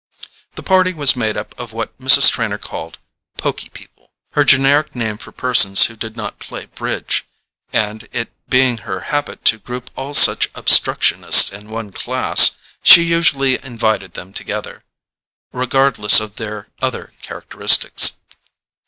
The party was made up of what Mrs. Trenor called "poky people"—her generic name for persons who did not play bridge—and, it being her habit to group all such obstructionists in one class, she usually invited them together, regardless of their other characteristics.